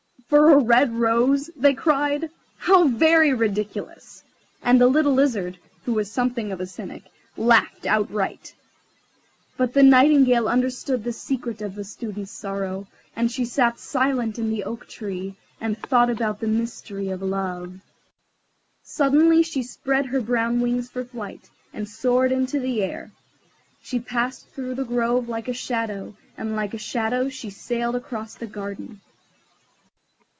"For a red rose?" they cried; "how very ridiculous!" and the little Lizard, who was something of a cynic, laughed outright. But the Nightingale understood the secret of the Student's sorrow, and she sat silent in the oak tree, and thought about the mystery of Love. Suddenly she spread her brown wings for flight, and soared into the air. She passed through the grove like a shadow, and like a shadow she sailed across the garden.